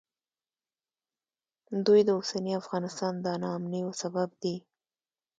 دوی د اوسني افغانستان د ناامنیو سبب دي